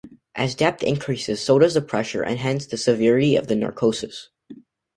As depth increases, so does the pressure and hence the severity of the narcosis.